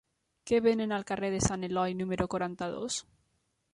Què venen al carrer de Sant Eloi número quaranta-dos?